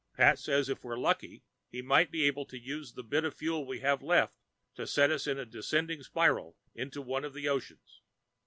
Pat says if we're lucky, he might be able to use the bit of fuel we have left to set us in a descending spiral into one of the oceans.